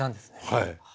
はい。